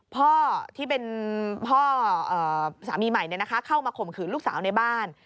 พ่อที่เป็นพ่อสามีใหม่เข้ามาข่มขืนลูกสาวในบ้าน